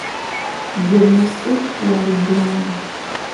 Gwe musu walugongo.